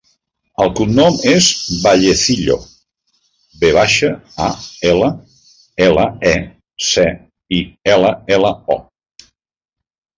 El cognom és Vallecillo: ve baixa, a, ela, ela, e, ce, i, ela, ela, o.